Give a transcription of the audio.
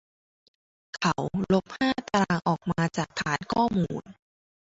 เขาลบห้าตารางออกมาฐานข้อมูล